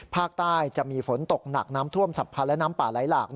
ภาคใต้จะมีฝนตกหนักน้ำท่วมฉับพันธ์และน้ำป่าไหลหลาก